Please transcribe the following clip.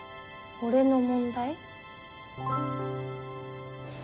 俺の問題？